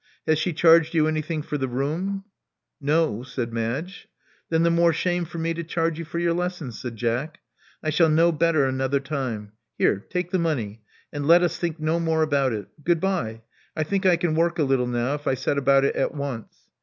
Has she charged you anything for the room?*' No,*' said Madge. Then the more shame for me to charge you for your lessons," said Jack. I shall know better another time. Here: take the money, and let us think no more about it. Goodbye! I think I can work a little now, if I set about it at once."